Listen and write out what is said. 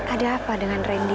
ada apa dengan randy